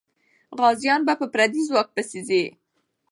غازيان په پردي ځواک پسې ځي.